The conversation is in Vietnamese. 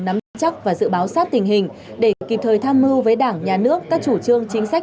nắm vững chắc và dự báo sát tình hình để kịp thời tham mưu với đảng nhà nước các chủ trương chính sách